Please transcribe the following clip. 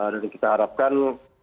dan kita harapkan